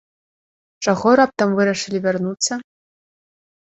Чаго раптам вырашылі вярнуцца?